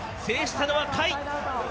制したのは甲斐。